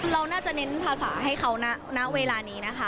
เราน่าจะเน้นภาษาให้เขาณเวลานี้นะคะ